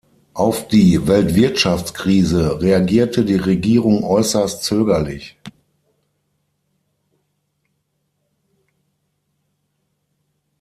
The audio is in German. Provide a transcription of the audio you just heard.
Auf die Weltwirtschaftskrise reagierte die Regierung äußerst zögerlich.